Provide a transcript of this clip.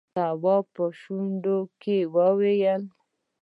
تواب په شونډو کې وويل: